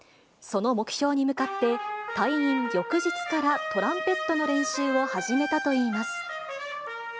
その目標に向かって、退院翌日からトランペットの練習を始めたといいます。